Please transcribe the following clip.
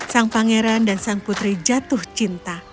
sang pangeran dan sang putri jatuh cinta